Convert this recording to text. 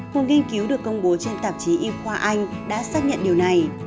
một nghiên cứu được công bố trên tạp chí y khoa anh đã xác nhận điều này